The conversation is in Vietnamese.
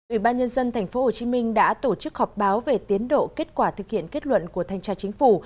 ủy ban nhân dân tp hcm đã tổ chức họp báo về tiến độ kết quả thực hiện kết luận của thanh tra chính phủ